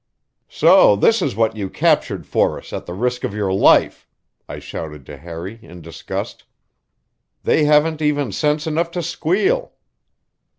"So this is what you captured for us at the risk of your life!" I shouted to Harry in disgust. "They haven't even sense enough to squeal."